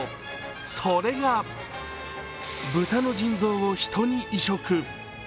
それが豚の腎臓を人に移植。